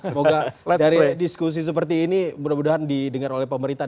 semoga dari diskusi seperti ini mudah mudahan didengar oleh pemerintah